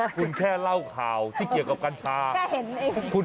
คุณแค่เล่าข่าวที่เกี่ยวกับกัญชาล